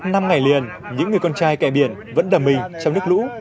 năm ngày liền những người con trai kẻ biển vẫn đầm mình trong nước lũ